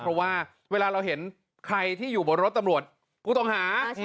เพราะว่าเวลาเราเห็นใครที่อยู่บนรถตำรวจผู้ต้องหา